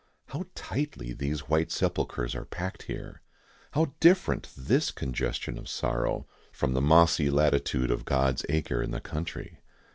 How tightly these white sepulchres are packed here! How different this congestion of sorrow from the mossy latitude of God's Acre in the country!